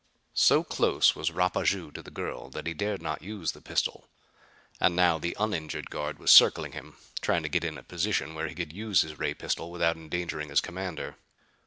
So close was Rapaju to the girl that he dared not use the pistol, and now the uninjured guard was circling him, trying to get in a position where he could use his ray pistol without endangering his commander.